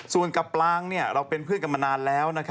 ส่วนกับปลางเราเป็นเพื่อนกันมานานแล้ว